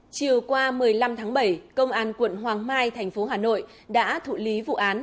chiều qua một mươi năm tháng bảy công an quận hoàng mai thành phố hà nội đã thụ lý vụ án